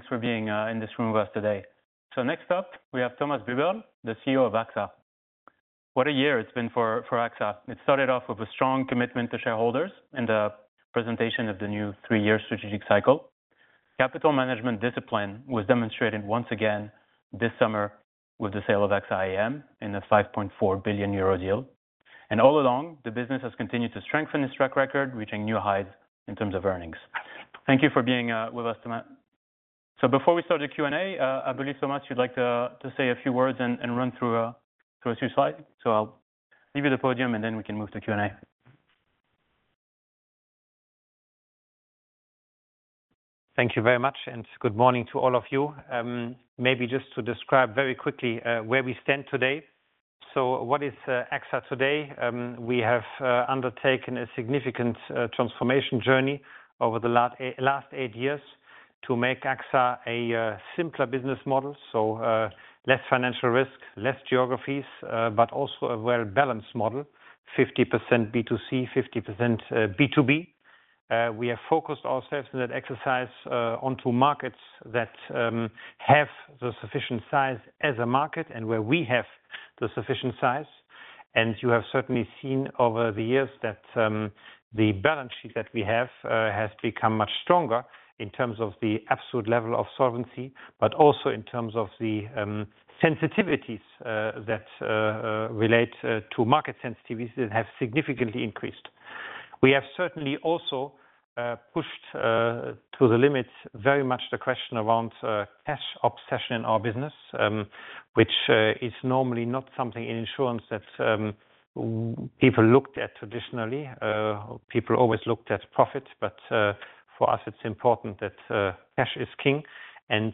Thanks for being in this room with us today. So next up, we have Thomas Buberl, the CEO of AXA. What a year it's been for AXA It started off with a strong commitment to shareholders and presentation of the new three-year strategic cycle. Capital management discipline was demonstrated once again this summer with the sale of AXA IM in a 5.4 billion euro deal. And all along, the business has continued to strengthen its track record, reaching new highs in terms of earnings. Thank you for being with us tonight. So before we start the Q&A, I believe, Thomas, you'd like to say a few words and run through a few slides. So I'll leave you the podium, and then we can move to Q&A. Thank you very much, and good morning to all of you. Maybe just to describe very quickly where we stand today. So what is AXA today? We have undertaken a significant transformation journey over the last eight years to make AXA a simpler business model. So less financial risk, less geographies, but also a well-balanced model, 50% B2C, 50% B2B. We have focused ourselves in that exercise on two markets that have the sufficient size as a market and where we have the sufficient size. And you have certainly seen over the years that the balance sheet that we have has become much stronger in terms of the absolute level of solvency, but also in terms of the sensitivities that relate to market sensitivities that have significantly increased. We have certainly also pushed to the limit very much the question around cash obsession in our business, which is normally not something in insurance that people looked at traditionally. People always looked at profit, but for us, it's important that cash is king, and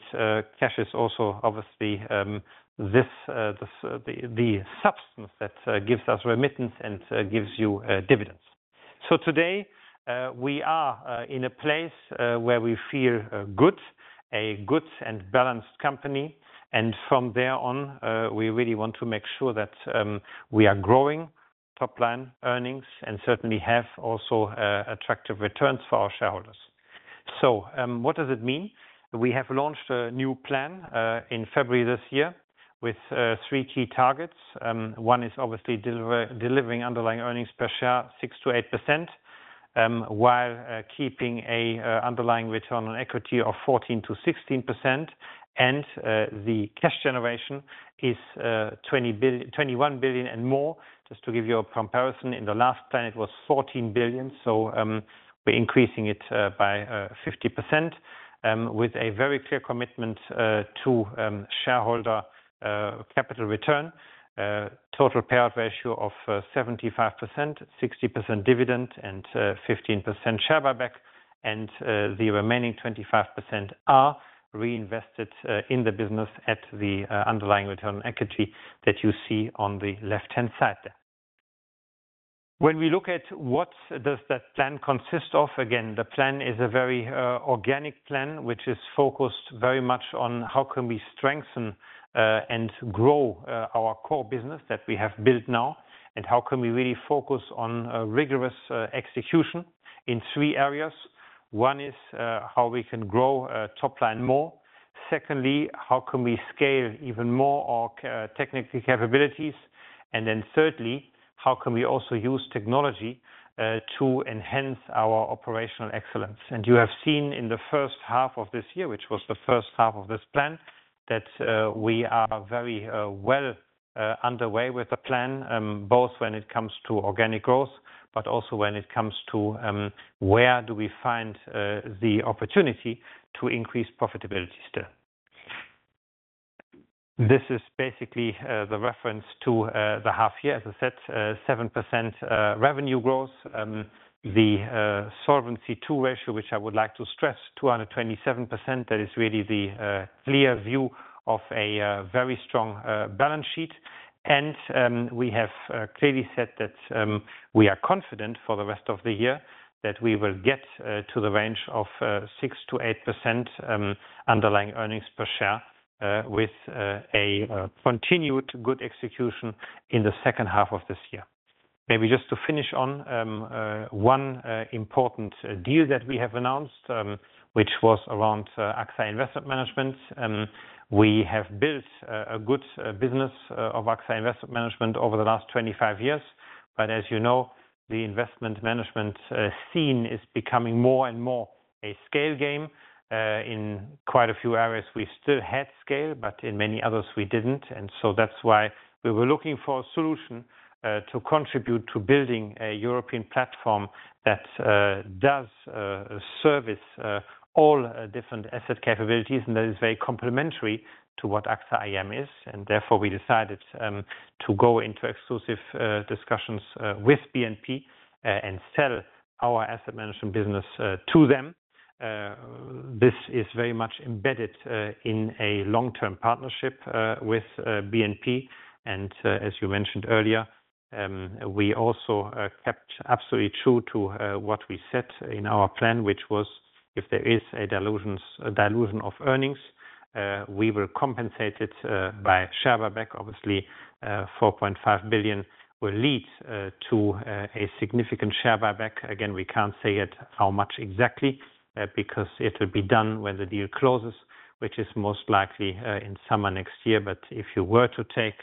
cash is also obviously the substance that gives us remittance and gives you dividends. So today we are in a place where we feel good, a good and balanced company. And from there on, we really want to make sure that we are growing top-line earnings and certainly have also attractive returns for our shareholders. So, what does it mean? We have launched a new plan in February this year with three key targets. One is obviously delivering underlying earnings per share 6%-8%, while keeping a underlying return on equity of 14%-16%. And the cash generation is 21 billion and more. Just to give you a comparison, in the last plan, it was 14 billion, so we're increasing it by 50%, with a very clear commitment to shareholder capital return. Total payout ratio of 75%, 60% dividend, and 15% share buyback, and the remaining 25% are reinvested in the business at the underlying return on equity that you see on the left-hand side. When we look at what does that plan consist of, again, the plan is a very organic plan, which is focused very much on how can we strengthen and grow our core business that we have built now, and how can we really focus on a rigorous execution in three areas. One is how we can grow top line more. Secondly, how can we scale even more our technical capabilities? And then thirdly, how can we also use technology to enhance our operational excellence? You have seen in the first half of this year, which was the first half of this plan, that we are very well underway with the plan, both when it comes to organic growth, but also when it comes to where do we find the opportunity to increase profitability still. This is basically the reference to the half year. As I said, 7% revenue growth, the Solvency II ratio, which I would like to stress, 227%. That is really the clear view of a very strong balance sheet. We have clearly said that we are confident for the rest of the year that we will get to the range of 6%-8% underlying earnings per share with a continued good execution in the second half of this year. Maybe just to finish on one important deal that we have announced, which was around AXA Investment Managers. We have built a good business of AXA Investment Managers over the last 25 years. But as you know, the investment management scene is becoming more and more a scale game. In quite a few areas, we still had scale, but in many others, we didn't. That's why we were looking for a solution to contribute to building a European platform that does service all different asset capabilities, and that is very complementary to what AXA IM is. Therefore, we decided to go into exclusive discussions with BNP and sell our asset management business to them. This is very much embedded in a long-term partnership with BNP. As you mentioned earlier, we also kept absolutely true to what we said in our plan, which was, if there is a dilution of earnings, we will compensate it by share buyback. Obviously, 4.5 billion will lead to a significant share buyback. Again, we can't say yet how much exactly, because it will be done when the deal closes, which is most likely, in summer next year. But if you were to take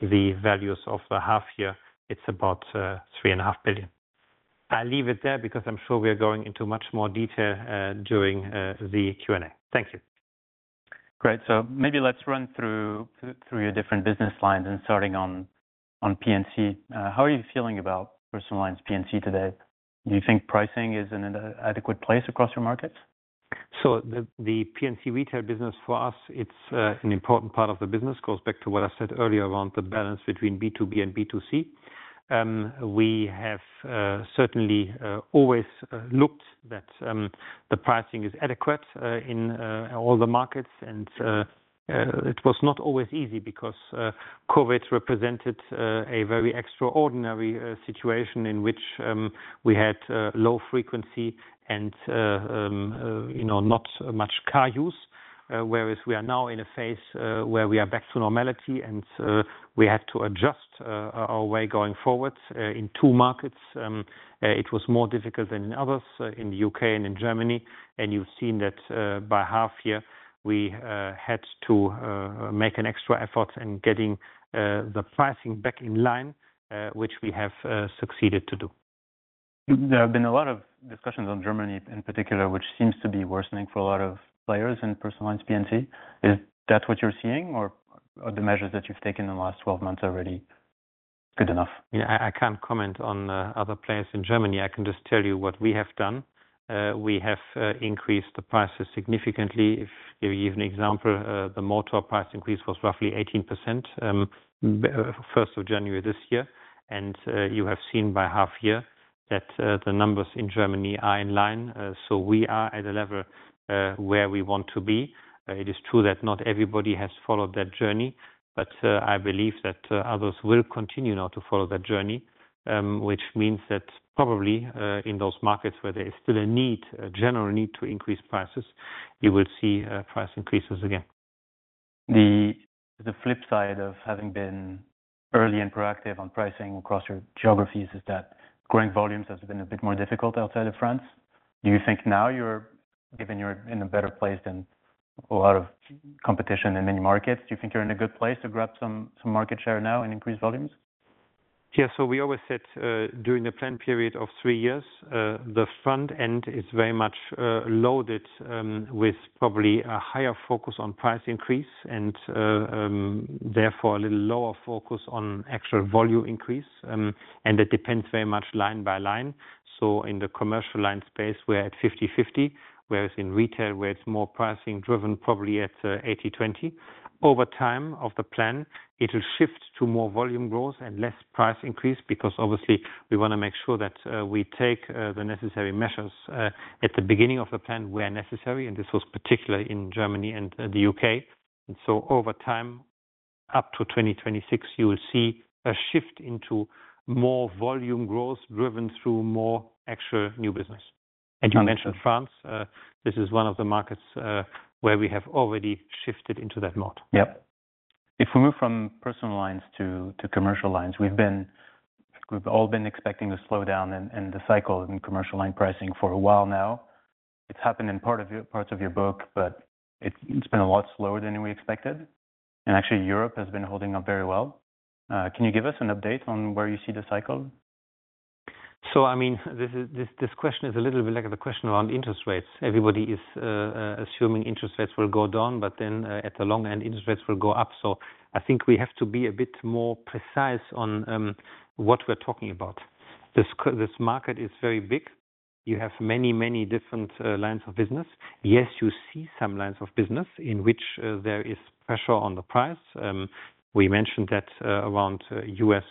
the values of the half year, it's about 3.5 billion. I'll leave it there because I'm sure we are going into much more detail during the Q&A. Thank you. Great. So maybe let's run through your different business lines, and starting on P&C. How are you feeling about personal lines, P&C today? Do you think pricing is in an adequate place across your markets? The P&C retail business for us it's an important part of the business. It goes back to what I said earlier around the balance between B2B and B2C. We have certainly always looked that the pricing is adequate in all the markets, and it was not always easy because COVID represented a very extraordinary situation in which we had low frequency and you know not much car use. Whereas we are now in a phase where we are back to normality, and we had to adjust our way going forward. In two markets it was more difficult than in others in the U.K. and in Germany. And you've seen that, by half year, we had to make an extra effort in getting the pricing back in line, which we have succeeded to do. There have been a lot of discussions on Germany in particular, which seems to be worsening for a lot of players in personal lines, P&C. Is that what you're seeing, or are the measures that you've taken in the last 12 months already good enough? Yeah, I can't comment on other players in Germany. I can just tell you what we have done. We have increased the prices significantly. If you give an example, the motor price increase was roughly 18% 1st of January this year. And you have seen by half year that the numbers in Germany are in line. So we are at a level where we want to be. It is true that not everybody has followed that journey, but I believe that others will continue now to follow that journey. Which means that probably in those markets where there is still a need, a general need to increase prices, you will see price increases again. The flip side of having been early and proactive on pricing across your geographies is that growing volumes has been a bit more difficult outside of France. Do you think now you're... Given you're in a better place than a lot of competition in many markets, do you think you're in a good place to grab some market share now and increase volumes? Yeah, so we always said during the plan period of three years, the front end is very much loaded with probably a higher focus on price increase and therefore a little lower focus on actual volume increase. And that depends very much line by line. So in the commercial line space, we're at 50-50, whereas in retail, where it's more pricing driven, probably at 80-20. Over time of the plan, it will shift to more volume growth and less price increase, because obviously we want to make sure that we take the necessary measures at the beginning of the plan where necessary, and this was particularly in Germany and the U.K. Over time, up to 2026, you will see a shift into more volume growth, driven through more actual new business. You mentioned France. This is one of the markets where we have already shifted into that mode. Yep. If we move from personal lines to commercial lines, we've all been expecting the slowdown and the cycle in commercial line pricing for a while now. It's happened in parts of your book, but it's been a lot slower than we expected. And actually, Europe has been holding up very well. Can you give us an update on where you see the cycle? So, I mean, this question is a little bit like the question around interest rates. Everybody is assuming interest rates will go down, but then, at the long end, interest rates will go up. So I think we have to be a bit more precise on what we're talking about. This market is very big. You have many different lines of business. Yes, you see some lines of business in which there is pressure on the price. We mentioned that around U.S.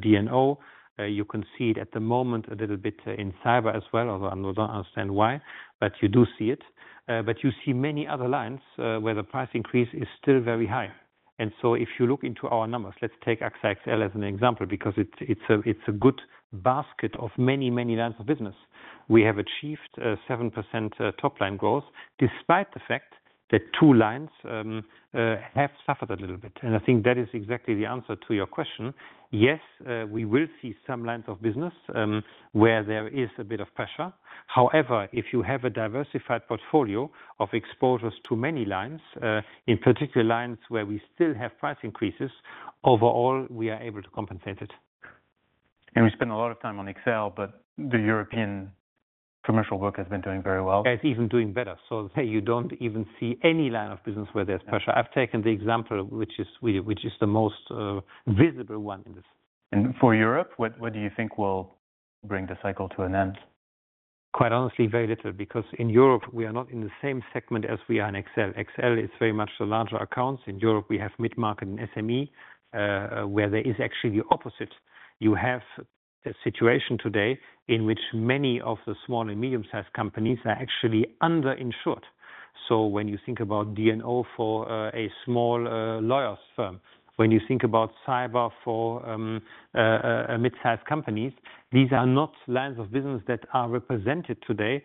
D&O. You can see it at the moment a little bit in cyber as well, although I don't understand why, but you do see it. But you see many other lines where the price increase is still very high. If you look into our numbers, let's take AXA XL as an example, because it's a good basket of many, many lines of business. We have achieved 7% top line growth, despite the fact that two lines have suffered a little bit. I think that is exactly the answer to your question. Yes, we will see some lines of business where there is a bit of pressure. However, if you have a diversified portfolio of exposures to many lines, in particular, lines where we still have price increases, overall, we are able to compensate it. We spend a lot of time on XL, but the European commercial work has been doing very well. It's even doing better. So, hey, you don't even see any line of business where there's pressure. I've taken the example, which is really, which is the most, visible one in this. And for Europe, what, what do you think will bring the cycle to an end? Quite honestly, very little, because in Europe we are not in the same segment as we are in XL. XL is very much the larger accounts. In Europe, we have mid-market and SME, where there is actually the opposite. You have a situation today in which many of the small and medium-sized companies are actually under-insured.... So when you think about D&O for a small lawyers firm, when you think about cyber for a mid-sized companies, these are not lines of business that are represented today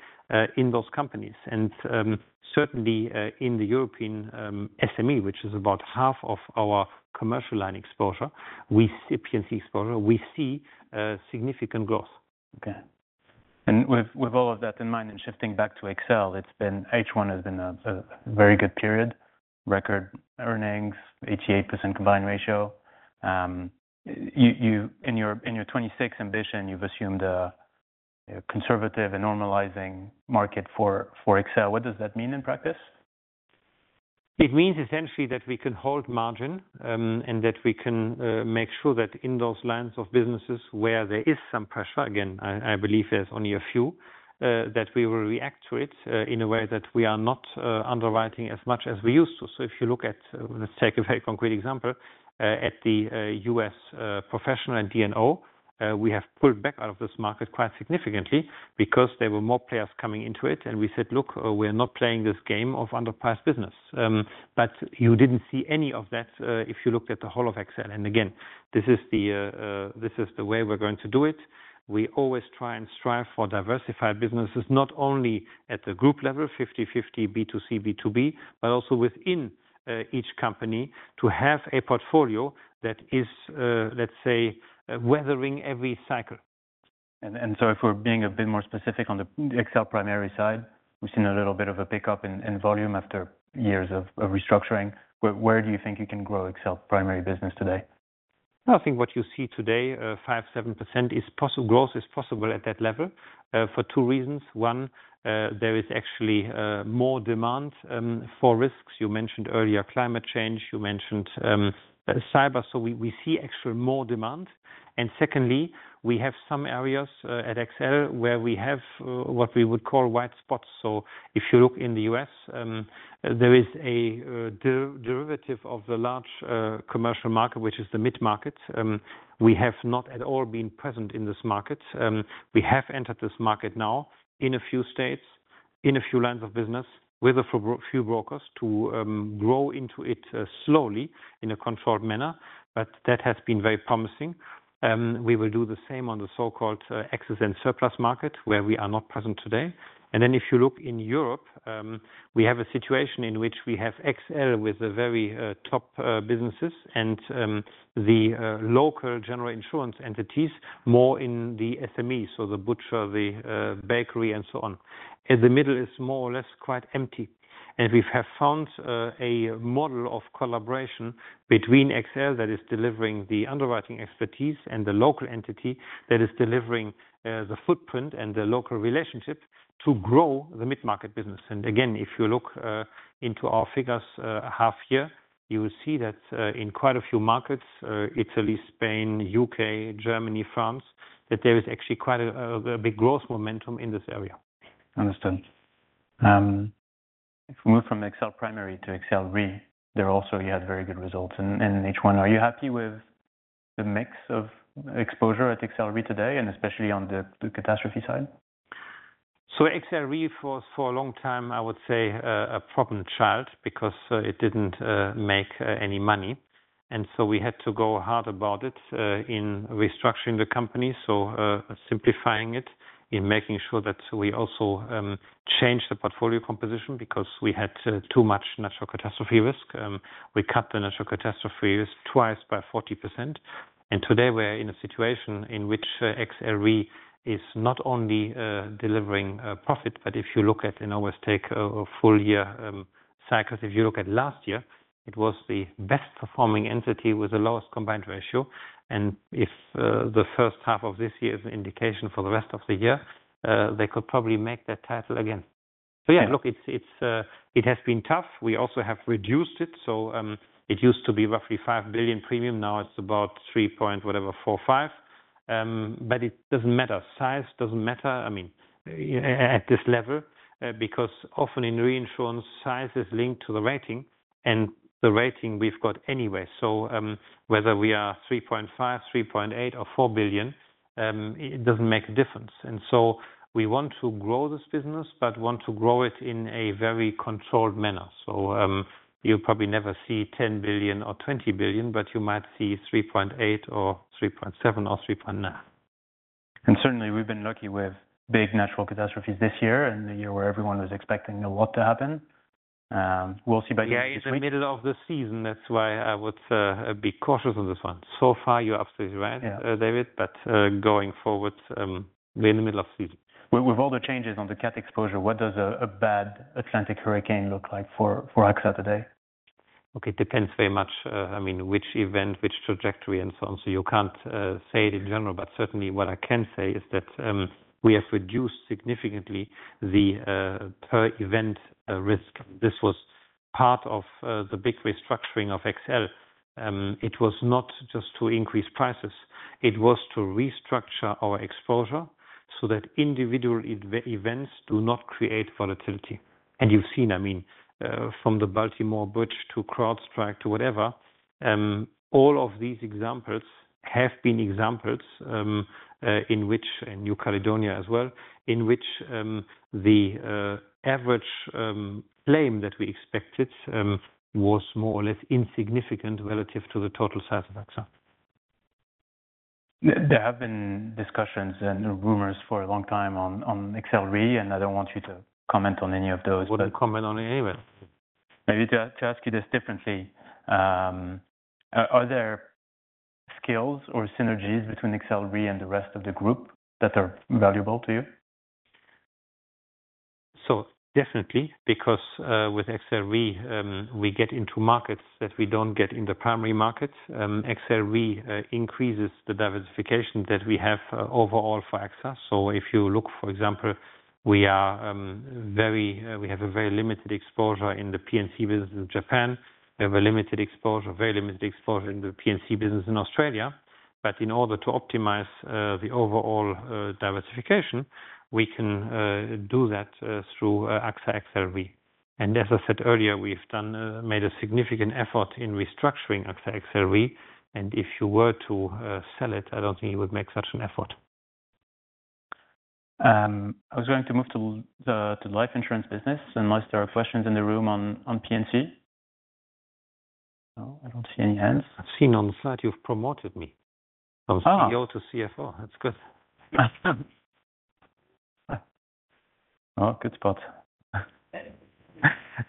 in those companies. And certainly in the European SME, which is about half of our commercial line exposure, we see P&C exposure, we see significant growth. Okay. With all of that in mind, and shifting back to XL, it's been. H1 has been a very good period. Record earnings, 88% combined ratio. In your 2026 ambition, you've assumed a conservative and normalizing market for XL. What does that mean in practice? It means essentially that we can hold margin, and that we can make sure that in those lines of businesses where there is some pressure, again, I believe there's only a few, that we will react to it in a way that we are not underwriting as much as we used to. So if you look at, let's take a very concrete example, at the U.S. professional and D&O, we have pulled back out of this market quite significantly because there were more players coming into it, and we said: Look, we're not playing this game of underpriced business. But you didn't see any of that if you looked at the whole of XL. And again, this is the way we're going to do it. We always try and strive for diversified businesses, not only at the group level, 50-50, B2C, B2B, but also within each company to have a portfolio that is, let's say, weathering every cycle. So if we're being a bit more specific on the XL primary side, we've seen a little bit of a pickup in volume after years of restructuring. Where do you think you can grow XL primary business today? I think what you see today, 5%-7% growth is possible at that level, for two reasons. One, there is actually more demand for risks. You mentioned earlier, climate change, you mentioned cyber, so we see actually more demand. And secondly, we have some areas at XL, where we have what we would call white spots. So if you look in the U.S., there is a derivative of the large commercial market, which is the mid-market. We have not at all been present in this market. We have entered this market now in a few states, in a few lines of business with a few brokers to grow into it slowly, in a controlled manner, but that has been very promising. We will do the same on the so-called excess and surplus market, where we are not present today. And then if you look in Europe, we have a situation in which we have XL with the very top businesses and the local general insurance entities, more in the SME, so the butcher, the bakery, and so on. In the middle is more or less quite empty. And we have found a model of collaboration between XL that is delivering the underwriting expertise and the local entity that is delivering the footprint and the local relationship to grow the mid-market business. Again, if you look into our figures half year, you will see that in quite a few markets, Italy, Spain, U.K., Germany, France, that there is actually quite a big growth momentum in this area. Understood. If we move from XL Primary to XL Re, there also you had very good results in H1. Are you happy with the mix of exposure at XL Re today, and especially on the catastrophe side? XL Re, for a long time, I would say, a problem child, because it didn't make any money. And so we had to go hard about it in restructuring the company. Simplifying it, in making sure that we also changed the portfolio composition because we had too much natural catastrophe risk. We cut the natural catastrophe risk twice by 40%, and today we are in a situation in which XL Re is not only delivering profit, but if you look at, and always take a full year cycles, if you look at last year, it was the best performing entity with the lowest combined ratio. And if the first half of this year is an indication for the rest of the year, they could probably make that title again. So yeah, look, it has been tough. We also have reduced it, so it used to be roughly 5 billion premium, now it's about three point whatever, four or five. But it doesn't matter. Size doesn't matter, I mean, at this level, because often in reinsurance, size is linked to the rating, and the rating we've got anyway. So whether we are 3.5 billion, 3.8 billion, or 4 billion, it doesn't make a difference. And so we want to grow this business, but want to grow it in a very controlled manner. So you'll probably never see 10 billion or 20 billion, but you might see 3.8 or 3.7 or 3.9. And certainly, we've been lucky with big natural catastrophes this year and the year where everyone is expecting a lot to happen. We'll see about- Yeah, it's the middle of the season, that's why I would be cautious on this one. So far, you're absolutely right- Yeah... David, but, going forward, we're in the middle of season. With all the changes on the cat exposure, what does a bad Atlantic hurricane look like for XL today? Okay. It depends very much, I mean, which event, which trajectory, and so on. So you can't say it in general, but certainly what I can say is that we have reduced significantly the per event risk. This was part of the big restructuring of XL. It was not just to increase prices.... It was to restructure our exposure, so that individual events do not create volatility. And you've seen, I mean, from the Baltimore bridge to CrowdStrike to whatever, all of these examples have been examples in which, and New Caledonia as well, in which the average claim that we expected was more or less insignificant relative to the total size of AXA. There have been discussions and rumors for a long time on XL Re, and I don't want you to comment on any of those. I wouldn't comment on it anyway. Maybe to ask you this differently, are there skills or synergies between XL Re and the rest of the group that are valuable to you? So definitely, because with XL Re, we get into markets that we don't get in the primary markets. XL Re increases the diversification that we have overall for AXA. So if you look, for example, we have a very limited exposure in the P&C business in Japan. We have a limited exposure, very limited exposure in the P&C business in Australia. But in order to optimize the overall diversification, we can do that through AXA XL Re. And as I said earlier, we've made a significant effort in restructuring AXA XL Re, and if you were to sell it, I don't think you would make such an effort. I was going to move to the life insurance business, unless there are questions in the room on P&C. No, I don't see any hands. I've seen on the slide you've promoted me. Ah! From CEO to CFO. That's good. Oh, good spot.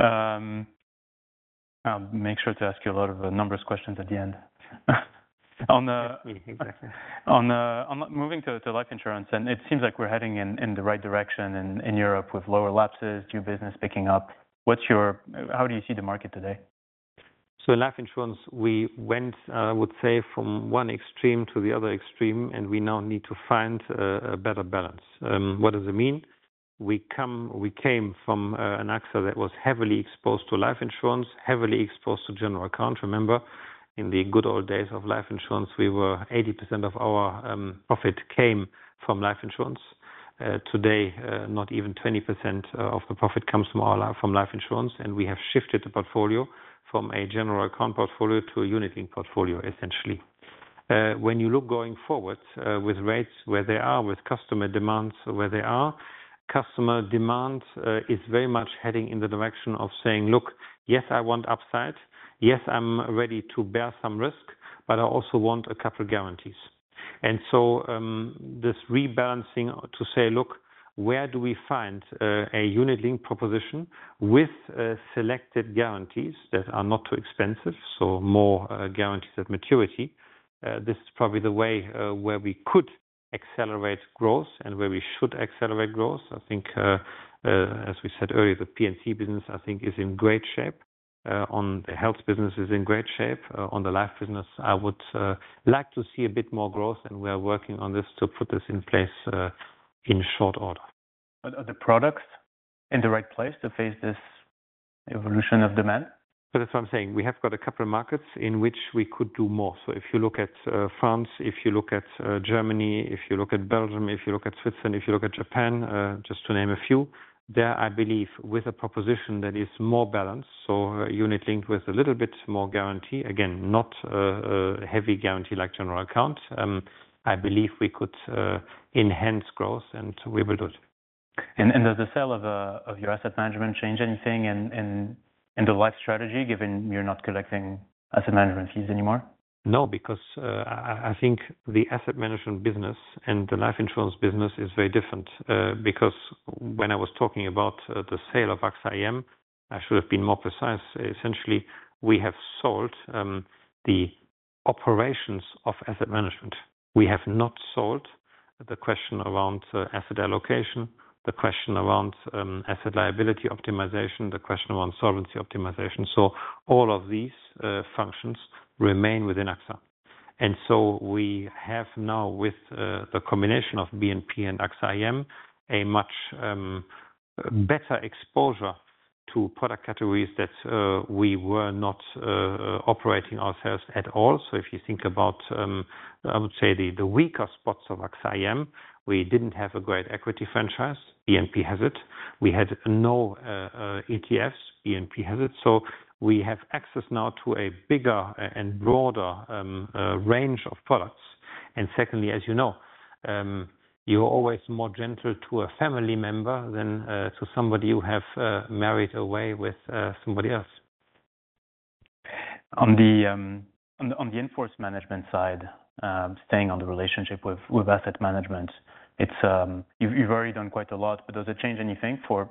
I'll make sure to ask you a lot of numbers questions at the end. On the- Exactly. On moving to life insurance, and it seems like we're heading in the right direction in Europe with lower lapses, new business picking up. What's your... How do you see the market today? So in life insurance, we went, I would say, from one extreme to the other extreme, and we now need to find a better balance. What does it mean? We came from an AXA that was heavily exposed to life insurance, heavily exposed to General Account. Remember, in the good old days of life insurance, we were, 80% of our profit came from life insurance. Today, not even 20% of the profit comes from life insurance, and we have shifted the portfolio from a General Account portfolio to a unit link portfolio, essentially. When you look going forward, with rates where they are, with customer demands where they are, customer demand is very much heading in the direction of saying, "Look, yes, I want upside. Yes, I'm ready to bear some risk, but I also want a couple guarantees." And so, this rebalancing to say, "Look, where do we find a unit-linked proposition with selected guarantees that are not too expensive?" So more guarantees at maturity. This is probably the way where we could accelerate growth and where we should accelerate growth. I think, as we said earlier, the P&C business, I think, is in great shape, on the health business is in great shape. On the life business, I would like to see a bit more growth, and we are working on this to put this in place in short order. Are the products in the right place to face this evolution of demand? So that's what I'm saying. We have got a couple of markets in which we could do more. So if you look at France, if you look at Germany, if you look at Belgium, if you look at Switzerland, if you look at Japan, just to name a few, there I believe with a proposition that is more balanced, so a unit linked with a little bit more guarantee, again not a heavy guarantee like general account, I believe we could enhance growth, and we will do it. Does the sale of your asset management change anything in the life strategy, given you're not collecting asset management fees anymore? No, because I think the asset management business and the life insurance business is very different. Because when I was talking about the sale of AXA IM, I should have been more precise. Essentially, we have sold the operations of asset management. We have not sold the question around asset allocation, the question around asset liability optimization, the question around solvency optimization. So all of these functions remain within AXA. And so we have now, with the combination of BNP and AXA IM, a much better exposure to product categories that we were not operating ourselves at all. So if you think about, I would say the weaker spots of AXA IM, we didn't have a great equity franchise. BNP has it. We had no ETFs. BNP has it. So we have access now to a bigger and broader range of products. And secondly, as you know, you're always more gentle to a family member than to somebody you have married away with somebody else. On the in-force management side, staying on the relationship with asset management, it's... You've already done quite a lot, but does it change anything for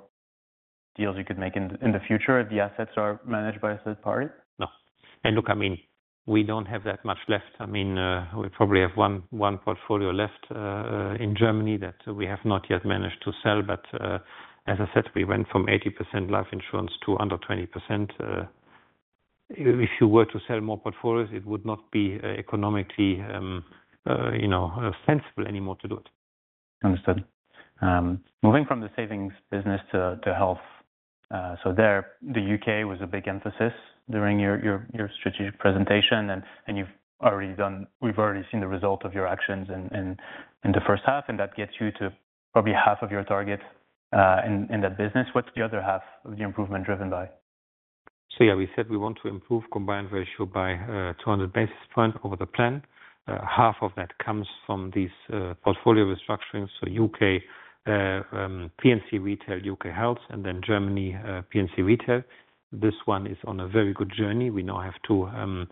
deals you could make in the future if the assets are managed by a third party? No. And look, I mean, we don't have that much left. I mean, we probably have one portfolio left in Germany that we have not yet managed to sell. But as I said, we went from 80% life insurance to under 20%. If you were to sell more portfolios, it would not be economically you know, sensible anymore to do it.... Understood. Moving from the savings business to health. So there, the U.K. was a big emphasis during your strategic presentation, and you've already done. We've already seen the result of your actions in the first half, and that gets you to probably half of your target in that business. What's the other half of the improvement driven by? Yeah, we said we want to improve combined ratio by 200 basis points over the plan. Half of that comes from these portfolio restructurings. U.K. P&C Retail, U.K. Health, and then Germany P&C Retail. This one is on a very good journey. We now have to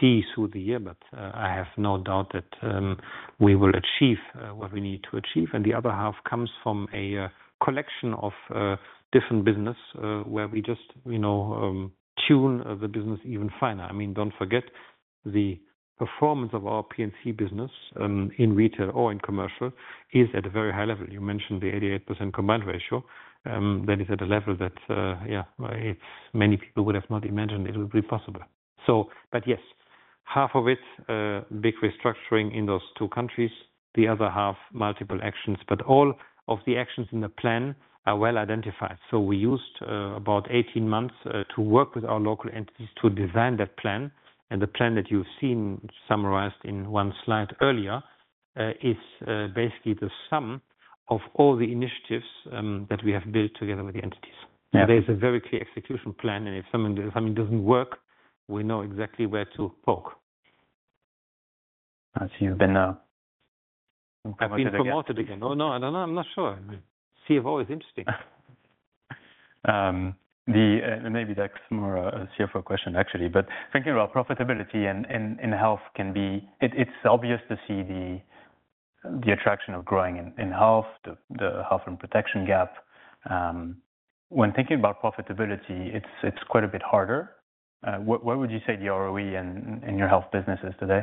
see through the year, but I have no doubt that we will achieve what we need to achieve. The other half comes from a collection of different business where we just, you know, tune the business even finer. I mean, do not forget, the performance of our P&C business in retail or in commercial is at a very high level. You mentioned the 88% combined ratio, that is at a level that many people would have not imagined it would be possible. So but yes, half of it, big restructuring in those two countries, the other half, multiple actions. But all of the actions in the plan are well identified. So we used about 18 months to work with our local entities to design that plan. And the plan that you've seen summarized in 1 Slide earlier is basically the sum of all the initiatives that we have built together with the entities. Yeah.There's a very clear execution plan, and if something doesn't work, we know exactly where to poke. I see you've been. I've been promoted again. Oh, no, I don't know. I'm not sure. CFO is interesting. Maybe that's more a CFO question, actually, but thinking about profitability and in health can be. It's obvious to see the attraction of growing in health, the health and protection gap. When thinking about profitability, it's quite a bit harder. What would you say the ROE in your health business is today?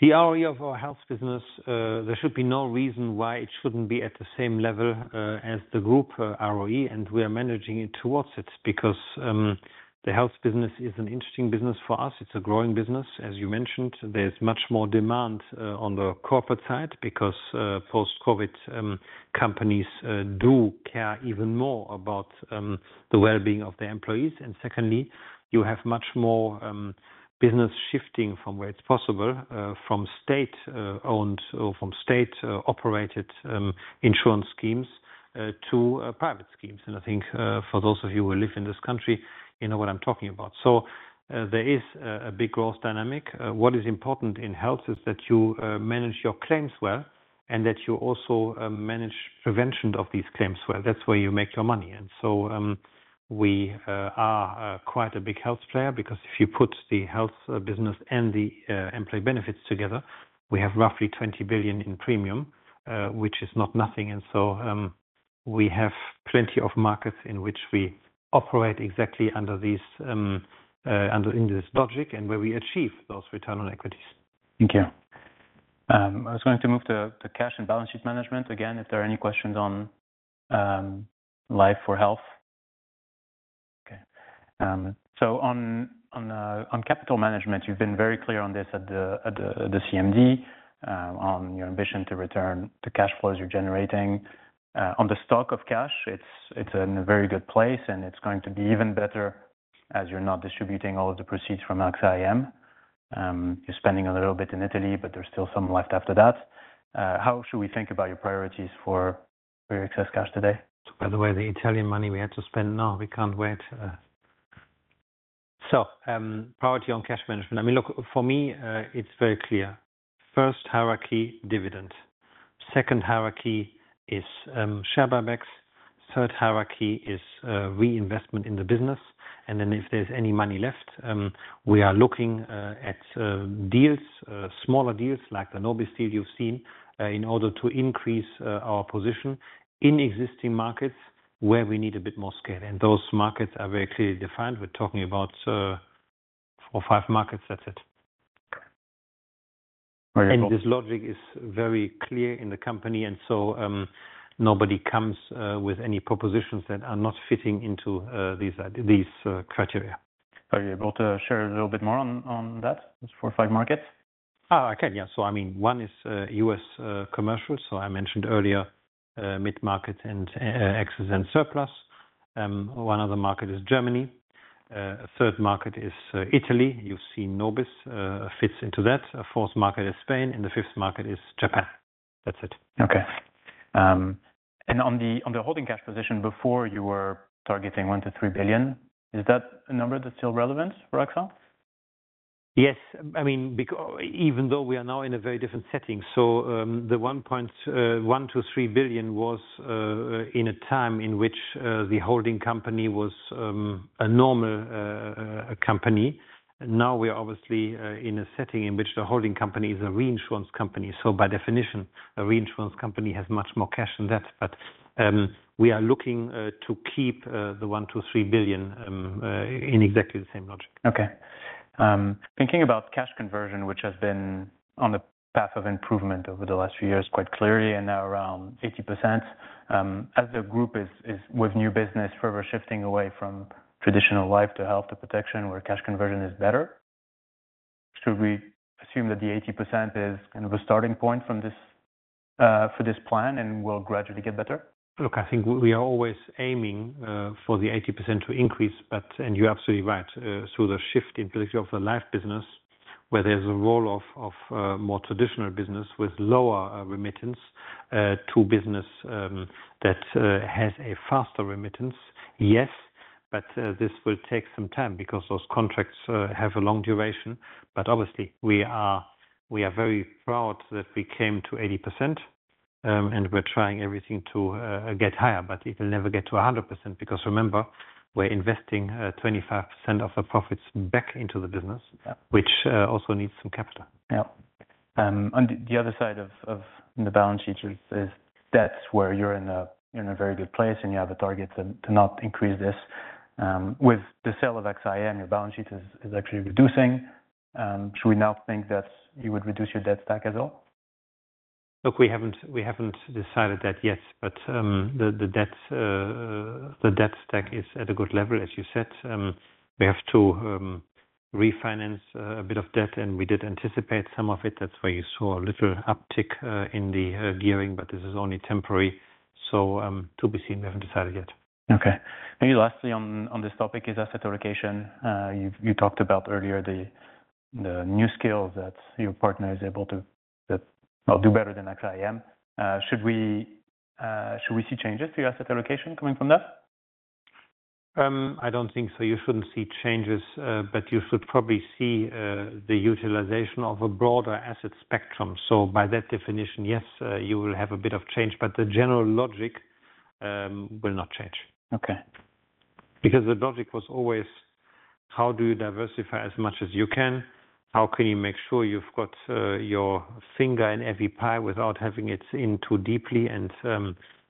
The ROE of our health business, there should be no reason why it shouldn't be at the same level, as the group, ROE, and we are managing it towards it, because, the health business is an interesting business for us. It's a growing business. As you mentioned, there's much more demand, on the corporate side because, post-COVID, companies, do care even more about, the well-being of their employees. And secondly, you have much more, business shifting from where it's possible, from state-owned or from state-operated, insurance schemes, to, private schemes. And I think, for those of you who live in this country, you know what I'm talking about. So, there is a big growth dynamic. What is important in health is that you manage your claims well, and that you also manage prevention of these claims well. That's where you make your money. And so, we are quite a big health player, because if you put the health business and the employee benefits together, we have roughly 20 billion in premium, which is not nothing. And so, we have plenty of markets in which we operate exactly under this logic and where we achieve those return on equities. Thank you. I was going to move to cash and balance sheet management. Again, if there are any questions on life or health? Okay. So on capital management, you've been very clear on this at the CMD on your ambition to return to cash flows you're generating. On the stock of cash, it's in a very good place, and it's going to be even better as you're not distributing all of the proceeds from AXA IM. You're spending a little bit in Italy, but there's still some left after that. How should we think about your priorities for your excess cash today? By the way, the Italian money we had to spend, now we can't wait. So, priority on cash management, I mean, look, for me, it's very clear. First hierarchy, dividend. Second hierarchy is, share buybacks. Third hierarchy is, reinvestment in the business. And then if there's any money left, we are looking at deals, smaller deals like the Nobis deal you've seen, in order to increase our position in existing markets where we need a bit more scale. And those markets are very clearly defined. We're talking about four, five markets, that's it. Very cool. And this logic is very clear in the company, and so, nobody comes with any propositions that are not fitting into these criteria. Are you able to share a little bit more on, on that, those four or five markets? I can, yeah. So I mean, one is U.S. commercial. So I mentioned earlier mid-market and excess and surplus. One other market is Germany. A third market is Italy. You've seen Nobis fits into that. A fourth market is Spain, and the fifth market is Japan. That's it. Okay. And on the holding cash position, before you were targeting 1 billion-3 billion, is that a number that's still relevant for AXA? Yes. I mean, even though we are now in a very different setting. So, the 1 billion-3 billion was in a time in which the holding company was a normal company. Now, we are obviously in a setting in which the holding company is a reinsurance company. So by definition, a reinsurance company has much more cash than that, but we are looking to keep the 1 billion-3 billion in exactly the same logic. Okay. Thinking about cash conversion, which has been on the path of improvement over the last few years, quite clearly, and now around 80%, as the group is with new business, further shifting away from traditional life to health to protection, where cash conversion is better. Should we assume that the 80% is kind of a starting point from this, for this plan and will gradually get better? Look, I think we are always aiming for the 80% to increase, but and you're absolutely right, so the shift in policy of the life business, where there's a roll-off of more traditional business with lower remittance to business that has a faster remittance. Yes, but this will take some time because those contracts have a long duration. But obviously, we are very proud that we came to 80%, and we're trying everything to get higher, but it will never get to 100%, because remember, we're investing 25% of the profits back into the business- Yeah.which also needs some capital. Yeah. On the other side of the balance sheet is debts, where you're in a very good place, and you have a target to not increase this. With the sale of AXA IM, your balance sheet is actually reducing. Should we now think that you would reduce your debt stack at all? Look, we haven't decided that yet, but the debt stack is at a good level, as you said. We have to refinance a bit of debt, and we did anticipate some of it. That's why you saw a little uptick in the gearing, but this is only temporary, so to be seen. We haven't decided yet. Okay. Maybe lastly on this topic is asset allocation. You've talked about earlier the new skills that your partner is able to, that well do better than AXA IM. Should we see changes to your asset allocation coming from that? I don't think so. You shouldn't see changes, but you should probably see the utilization of a broader asset spectrum. So by that definition, yes, you will have a bit of change, but the general logic will not change. Okay. Because the logic was always: How do you diversify as much as you can? How can you make sure you've got your finger in every pie without having it in too deeply? And,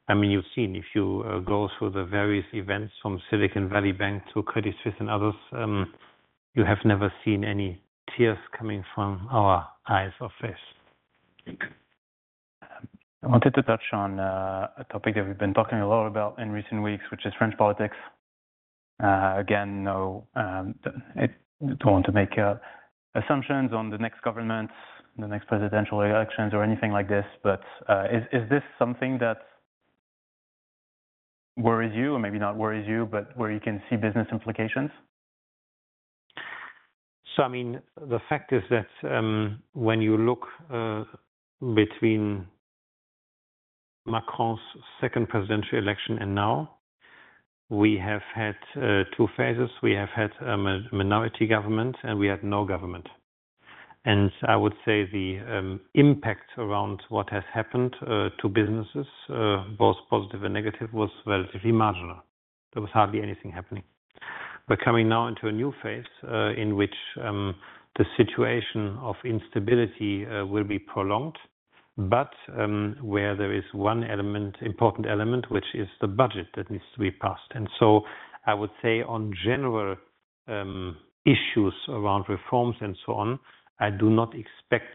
I mean, you've seen if you go through the various events from Silicon Valley Bank to Credit Suisse and others, you have never seen any tears coming from our eyes or face. Thank you. I wanted to touch on a topic that we've been talking a lot about in recent weeks, which is French politics. Again, no, I don't want to make assumptions on the next government, the next presidential elections or anything like this, but is this something that worries you? Or maybe not worries you, but where you can see business implications? So, I mean, the fact is that when you look between Macron's second presidential election and now, we have had two phases. We have had a minority government, and we had no government. And I would say the impact around what has happened to businesses both positive and negative was relatively marginal. There was hardly anything happening. We're coming now into a new phase in which the situation of instability will be prolonged, but where there is one element, important element, which is the budget that needs to be passed. And so I would say on general issues around reforms and so on, I do not expect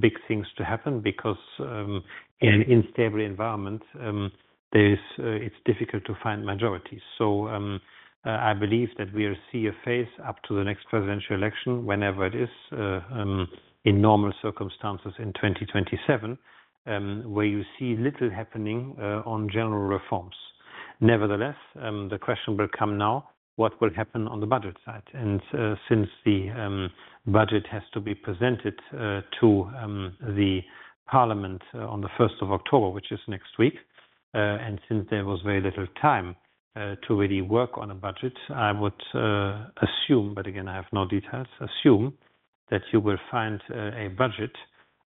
big things to happen because. Yeah in an unstable environment, it's difficult to find majority. So, I believe that we'll see a phase up to the next presidential election, whenever it is, in normal circumstances in 2027, where you see little happening on general reforms. Nevertheless, the question will come now: What will happen on the budget side? And since the budget has to be presented to the parliament on the 1st of October, which is next week, and since there was very little time to really work on a budget, I would assume, but again, I have no details, that you will find a budget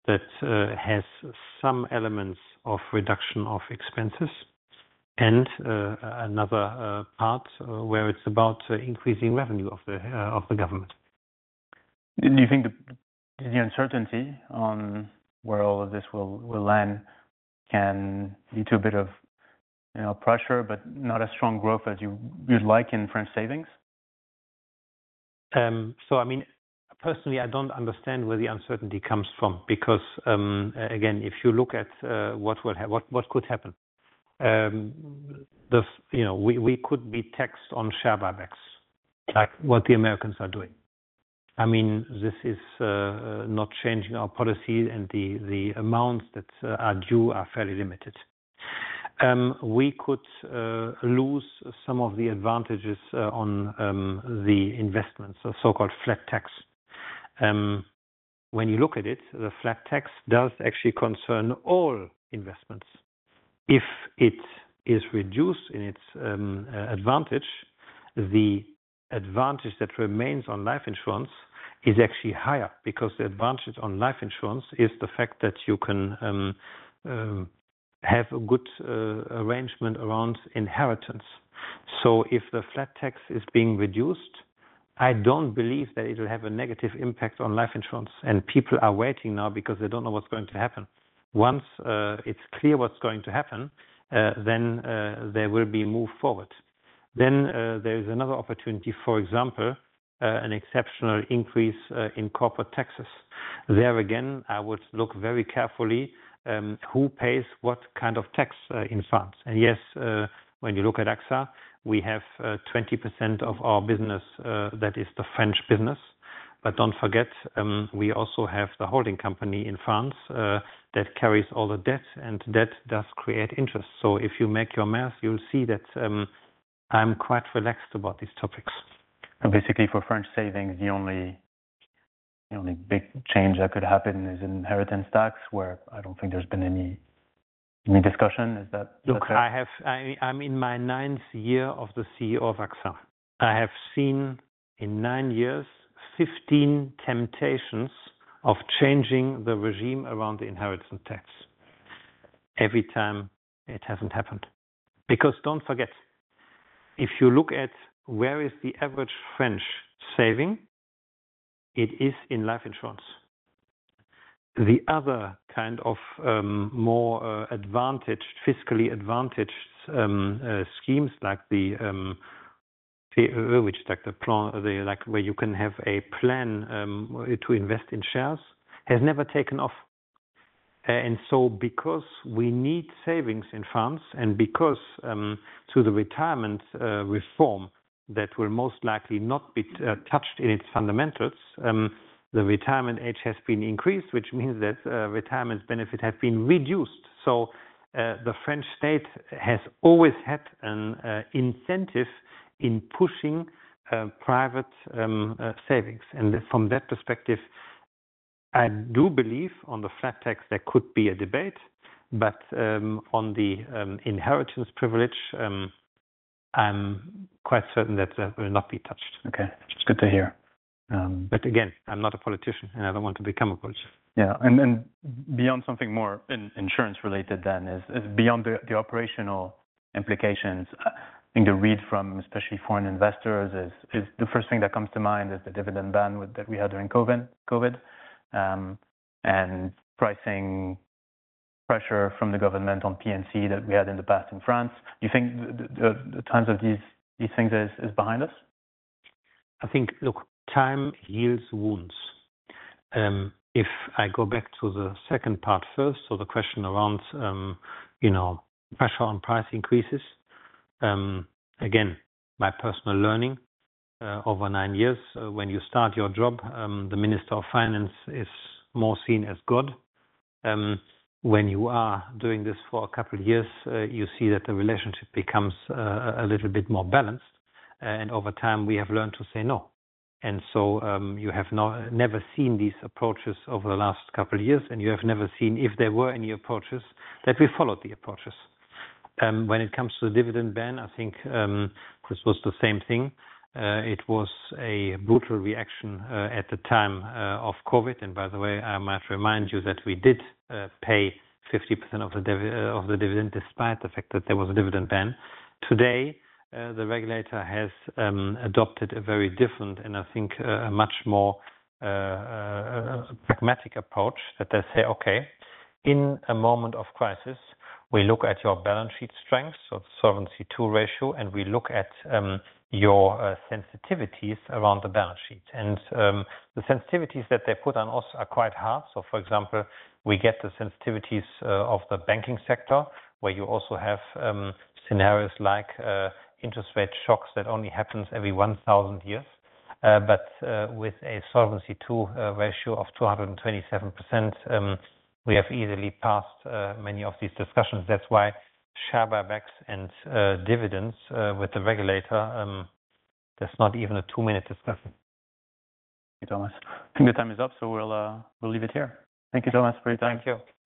that has some elements of reduction of expenses and another part where it's about increasing revenue of the government. Do you think the uncertainty on where all of this will land can lead to a bit of, you know, pressure, but not as strong growth as you'd like in French savings? So I mean, personally, I don't understand where the uncertainty comes from, because, again, if you look at what could happen, you know, we could be taxed on share buybacks, like what the Americans are doing. I mean, this is not changing our policy and the amounts that are due are fairly limited. We could lose some of the advantages on the investments, so-called flat tax. When you look at it, the flat tax does actually concern all investments. If it is reduced in its advantage, the advantage that remains on life insurance is actually higher, because the advantage on life insurance is the fact that you can have a good arrangement around inheritance. So if the flat tax is being reduced, I don't believe that it will have a negative impact on life insurance, and people are waiting now because they don't know what's going to happen. Once it's clear what's going to happen, then there will be move forward. Then there is another opportunity, for example, an exceptional increase in corporate taxes. There again, I would look very carefully who pays what kind of tax in France. And yes, when you look at AXA, we have 20% of our business that is the French business. But don't forget, we also have the holding company in France that carries all the debt, and debt does create interest. So if you make your math, you'll see that I'm quite relaxed about these topics. Basically, for French savings, the only big change that could happen is in inheritance tax, where I don't think there's been any discussion. Is that correct? Look, I have I, I'm in my ninth year of the CEO of AXA. I have seen, in nine years, 15 temptations of changing the regime around the inheritance tax. Every time, it hasn't happened. Because don't forget, if you look at where is the average French saving, it is in life insurance. The other kind of, more, advantaged, fiscally advantaged, schemes, like the, which like the plan, the, like, where you can have a plan, to invest in shares, has never taken off. And so because we need savings in France and because, through the retirement, reform that will most likely not be, touched in its fundamentals, the retirement age has been increased, which means that, retirement benefit have been reduced. So, the French state has always had an incentive in pushing private savings. And from that perspective, I do believe on the flat tax, there could be a debate, but on the inheritance privilege, I'm quite certain that will not be touched. Okay. It's good to hear, But again, I'm not a politician, and I don't want to become a politician. Yeah. And then beyond something more insurance related, then is beyond the operational implications. I think the read from, especially foreign investors, is the first thing that comes to mind is the dividend ban that we had during COVID, and pricing pressure from the government on P&C that we had in the past in France. Do you think the times of these things is behind us? I think, look, time heals wounds. If I go back to the second part first, so the question around, you know, pressure on price increases. Again, my personal learning over nine years, when you start your job, the Minister of Finance is more seen as God. When you are doing this for a couple of years, you see that the relationship becomes a little bit more balanced, and over time, we have learned to say no. And so, you have never seen these approaches over the last couple of years, and you have never seen, if there were any approaches, that we followed the approaches. When it comes to the dividend ban, I think this was the same thing. It was a brutal reaction at the time of COVID. By the way, I might remind you that we did pay 50% of the dividend, despite the fact that there was a dividend ban. Today, the regulator has adopted a very different and I think a much more pragmatic approach, that they say, "Okay, in a moment of crisis, we look at your balance sheet strength, so Solvency II ratio, and we look at your sensitivities around the balance sheet." The sensitivities that they put on us are quite hard. For example, we get the sensitivities of the banking sector, where you also have scenarios like interest rate shocks that happens every 1000 years. But, with a Solvency II ratio of 227%, we have easily passed many of these discussions. That's why share buybacks and dividends with the regulator, that's not even a 2-minute discussion. Thank you, Thomas. I think the time is up, so we'll leave it here. Thank you, Thomas, for your time. Thank you.